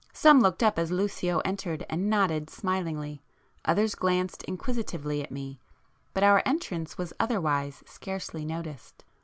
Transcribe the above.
Some looked up as Lucio entered and nodded smilingly,—others glanced inquisitively at me, but our entrance was otherwise scarcely noticed.